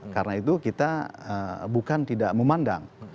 karena itu kita bukan tidak memandang